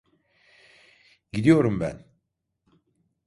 Gidiyorum ben.